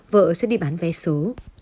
vợ sẽ đi bán vé số